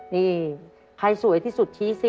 นี่ใครสวยที่สุดชี้สิ